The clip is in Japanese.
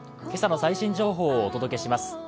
今朝の最新情報をお届けします